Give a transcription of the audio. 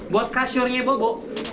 buat kasurnya bobo